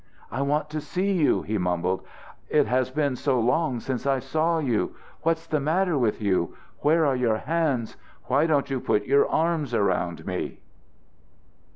"I want to see you!" he mumbled. "It has been so long since I saw you! What's the matter with you? Where are your hands? Why don't you put your arms around me?"